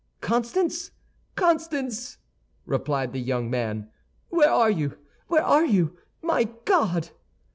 "Constance? Constance?" replied the young man, "where are you? where are you? My God!"